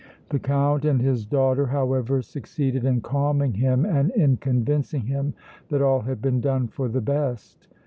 The Count and his daughter, however, succeeded in calming him and in convincing him that all had been done for the best.